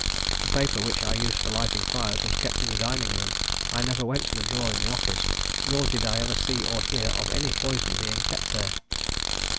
The paper which I used for lighting fires was kept in the dining room. I never went to the drawer in the office, nor did I ever see or hear of any poison being kept there.